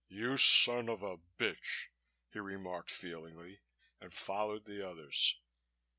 "You son of a bitch!" he remarked feelingly, and followed the others.